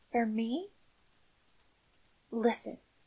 "For me?" "Listen.